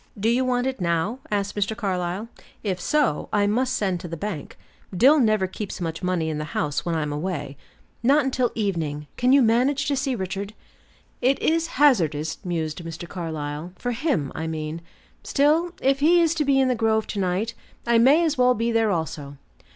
"Do you want it now?" asked Mr. Carlyle. "If so, I must send to the bank. Dill never keeps much money in the house when I'm away." "Not until evening. Can you manage to see Richard?" "It is hazardous," mused Mr. Carlyle; "for him, I mean. Still, if he is to be in the grove to night, I may as well be there also.